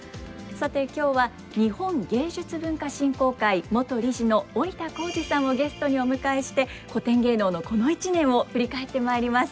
さて今日は日本芸術文化振興会元理事の織田紘二さんをゲストにお迎えして古典芸能のこの一年を振り返ってまいります。